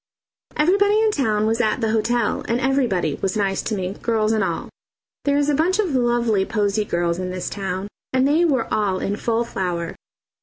Everybody in town was at the hotel, and everybody was nice to me, girls and all. There is a bunch of lovely posy girls in this town, and they were all in full flower.